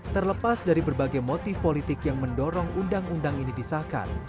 terlepas dari berbagai motif politik yang mendorong undang undang ini disahkan